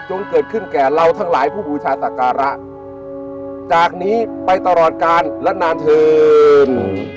เกิดขึ้นแก่เราทั้งหลายผู้บูชาศักระจากนี้ไปตลอดกาลและนานเถิน